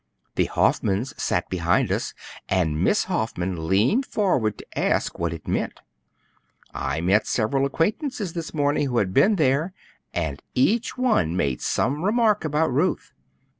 The Hoffmans sat behind us, and Miss Hoffman leaned forward to ask what it meant. I met several acquaintances this morning who had been there, and each one made some remark about Ruth.